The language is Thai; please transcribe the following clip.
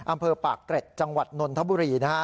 อำเภอปากเกร็ดจังหวัดนนทบุรีนะฮะ